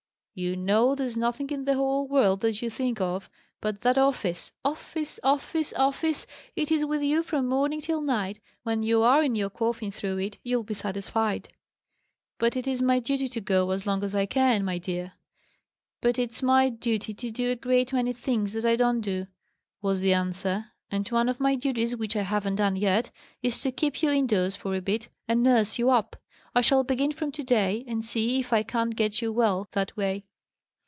you know there's nothing in the whole world that you think of, but that office! Office office office, it is with you from morning till night. When you are in your coffin, through it, you'll be satisfied." "But it is my duty to go as long as I can, my dear." "It's my duty to do a great many things that I don't do!" was the answer; "and one of my duties which I haven't done yet, is to keep you indoors for a bit, and nurse you up. I shall begin from to day, and see if I can't get you well, that way."